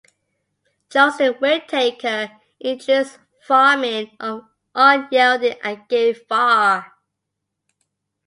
Joseph Whitaker introduced farming of unyielding Agave var.